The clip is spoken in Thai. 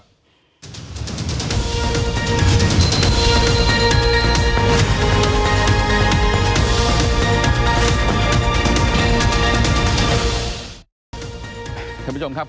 ปซิกที่แฟนคลารสุสัครของที่อยู่กับผลประจิตแคลม